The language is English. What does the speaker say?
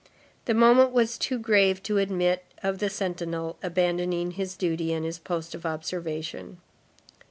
The moment was too grave to admit of the sentinel abandoning his duty and his post of observation.